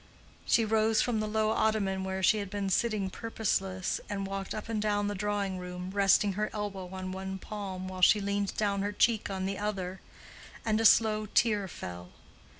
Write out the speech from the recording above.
She rose from the low ottoman where she had been sitting purposeless, and walked up and down the drawing room, resting her elbow on one palm while she leaned down her cheek on the other, and a slow tear fell.